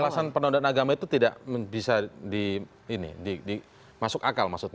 alasan penononan agama itu tidak bisa di ini masuk akal maksudnya